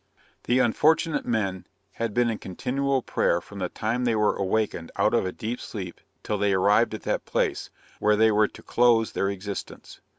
The unfortunate men had been in continual prayer from the time they were awakened out of a deep sleep till they arrived at that place, where they were to close their existence.